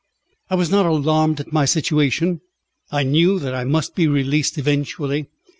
I was not alarmed at my situation; I knew that I must be released eventually.